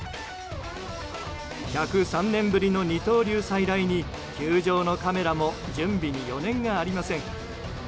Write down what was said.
１０３年ぶりの二刀流再来に球場のカメラも準備に余念がありません。